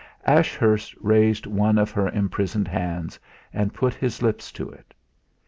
Ashurst raised one of her imprisoned hands and put his lips to it.